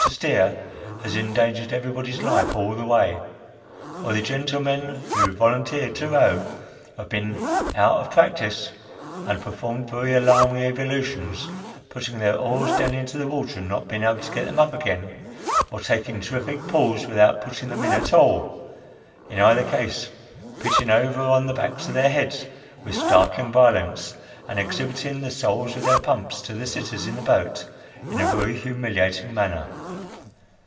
to steer Las endangered everybody's life all the way, or the gentlemen who volunteered to row have been " out of practice," and performed very alarming evolutions, putting their oars down into the water and not being able to get them up again, or taking terrific pulls without putting them in at all ; in either case, pitching over on the backs of their heads with startling violence, and exhibiting the soles of their pumps to the " sitters " in the boat, in a very humiliating manner.